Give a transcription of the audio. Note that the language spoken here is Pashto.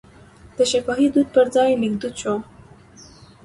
د شفاهي دود پر ځای لیک دود شو.